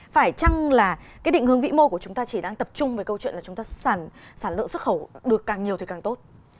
phải chăng là cái định hướng vĩ mô của chúng ta chỉ đang tập trung với câu chuyện là chúng ta sản lượng xuất khẩu được càng nhiều thì càng tốt